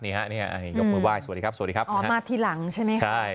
ยกมือว่ายสวัสดีครับอ๋อมาทีหลังใช่ไหม